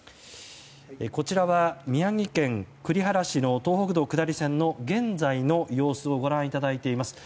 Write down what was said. こちらは宮城県栗原市の東北道下り線の現在の様子をご覧いただいています。